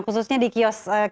khususnya di kiosk kiosk lainnya